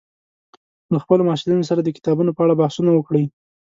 له خپلو محصلینو سره د کتابونو په اړه بحثونه وکړئ